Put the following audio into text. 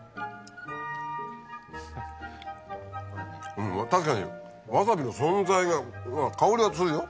うん確かにわさびの存在が香りはするよ。